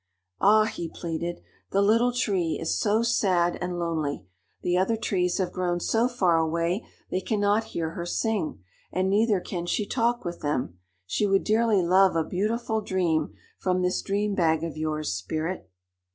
"Ah," he pleaded, "the Little Tree is so sad and lonely, the other trees have grown so far away they cannot hear her sing, and neither can she talk with them. She would dearly love a beautiful dream from this dream bag of yours, Spirit."